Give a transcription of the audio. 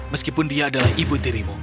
meskipun dia adalah ibu tirimu